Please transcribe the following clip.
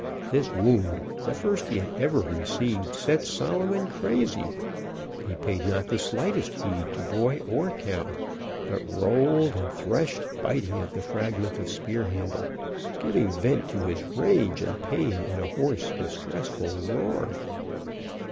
This wound, the first he had ever received, set Solomon crazy. He paid not the slightest heed to boy or cow, but rolled and threshed, biting at the fragment of spear handle, giving vent to his rage and pain in a hoarse, distressful roar.